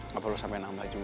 gak perlu sampe nambah juga